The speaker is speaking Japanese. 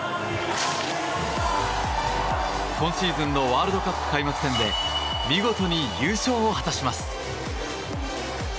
今シーズンのワールドカップ開幕戦で見事に優勝を果たします。